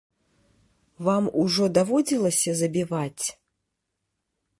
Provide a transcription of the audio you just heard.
Вам ужо даводзілася забіваць?